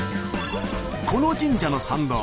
この神社の参道